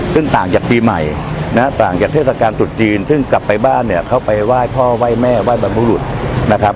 ซึ่งต่างจากปีใหม่นะฮะต่างจากเทศกาลตรุษจีนซึ่งกลับไปบ้านเนี่ยเข้าไปไหว้พ่อไหว้แม่ไหว้บรรพบุรุษนะครับ